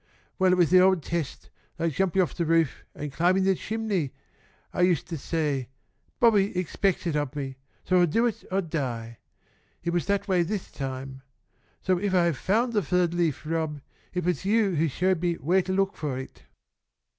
Well, it was the old test, like jumping off the roof and climbing the chimney. I used to say 'Bobby expects it of me, so I'll do it or die.' It was that way this time. So if I have found the third leaf, Rob, it was you who showed me where to look for it."